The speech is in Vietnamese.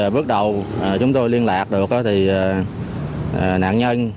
bước đầu chúng tôi liên lạc được nạn nhân